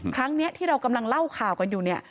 ครั้งนี้ที่เรากำลังเล่าข่าวกันอยู่เนี่ย